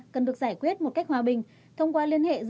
cần được giải quyết một cách hòa bình